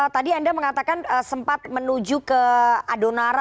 tadi anda mengatakan sempat menuju ke adonara